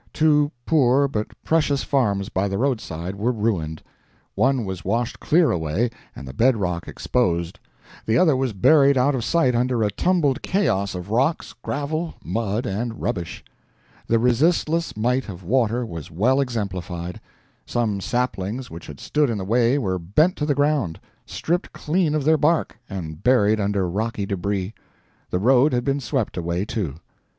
Two poor but precious farms by the roadside were ruined. One was washed clear away, and the bed rock exposed; the other was buried out of sight under a tumbled chaos of rocks, gravel, mud, and rubbish. The resistless might of water was well exemplified. Some saplings which had stood in the way were bent to the ground, stripped clean of their bark, and buried under rocky debris. The road had been swept away, too.